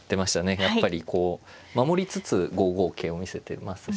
やっぱりこう守りつつ５五桂を見せてますし。